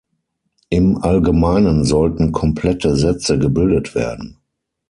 Im Allgemeinen sollten komplette Sätze gebildet werden.